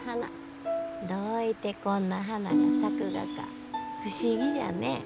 どういてこんな花が咲くがか不思議じゃね。